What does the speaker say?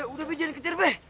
be udah be jangan kejar be